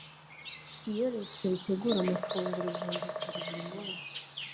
iyo resitora itegura amafunguro ibihumbi bibiri buri munsi